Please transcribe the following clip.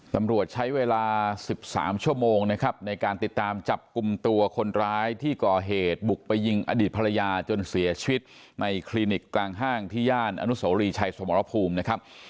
ตำรวจใช้เวลา๑๓ชั่วโมงนะครับในการติดตามจับกลุ่มตัวคนร้ายที่ก่อเหตุบุกไปยิงอดีตภรรยาจนเสียชีวิตในคลินิกกลางห้างที่ย่านอนุโสรีชัยสมรภูมินะครับ